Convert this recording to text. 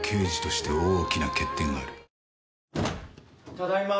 ただいま。